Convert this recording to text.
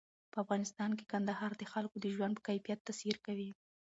په افغانستان کې کندهار د خلکو د ژوند په کیفیت تاثیر کوي.